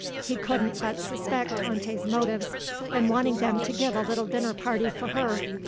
He couldn't but suspect Tante's motives in wanting them to give a little dinner party for her.